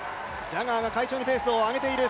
ジャガーが快調にペースを上げている。